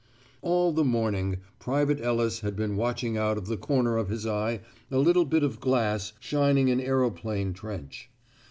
All the morning Private Ellis had been watching out of the corner of his eye a little bit of glass shining in Aeroplane Trench.